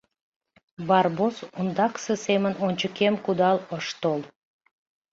Барбос ондакысе семын ончыкем кудал ыш тол.